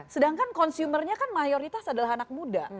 sedangkan consumernya kan mayoritas adalah anak muda